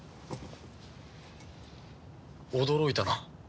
驚いたな。